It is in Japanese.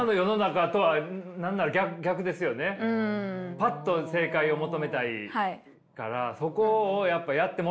パッと正解を求めたいからそこをやっぱやってもらえないってことですか。